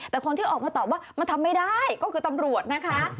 แต่คนที่ออกมาตอบว่ามันทำไม่ได้ก็คือตำรวจนะคะ